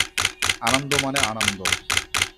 আনন্দ মানে আনন্দ।